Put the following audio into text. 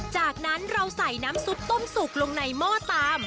จากนั้นเราใส่น้ำซุปต้มสุกลงในหม้อตาม